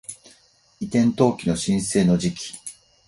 移転登記の申請の時期